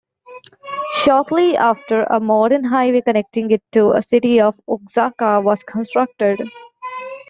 Shortly after, a modern highway connecting it to the city of Oaxaca was constructed.